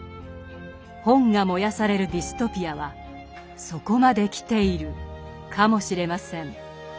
本が燃やされるディストピアはそこまで来ているかもしれません。